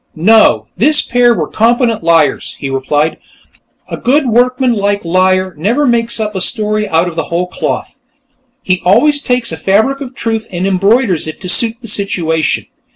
"No, this pair were competent liars," he replied. "A good workmanlike liar never makes up a story out of the whole cloth; he always takes a fabric of truth and embroiders it to suit the situation."